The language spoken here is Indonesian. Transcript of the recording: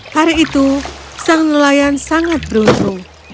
hari itu sang nelayan sangat beruntung